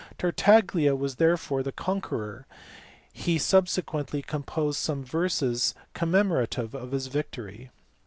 Tartaglia was therefore the conqueror; he sub sequently composed some verses commemorative of his victory.